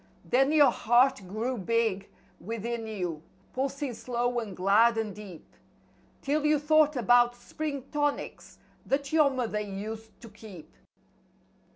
Then your heart grew big, within you, pulsing slow and glad and deep " 'Til you thought about spring tonics that your mother used to keep.